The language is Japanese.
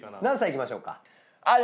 何歳いきましょうか。